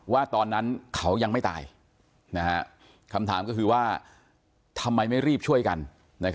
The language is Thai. ว่าตอนนั้นเขายังไม่ตายคำถามก็คือว่าทำไมไม่รีบช่วยกัน